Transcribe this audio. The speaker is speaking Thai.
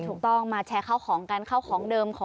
ถูกต้องมาแชร์เข้าของกันเข้าของเดิม